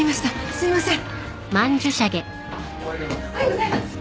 すいません。